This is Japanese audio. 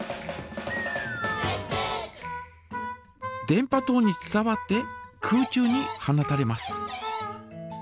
電波とうに伝わって空中に放たれます。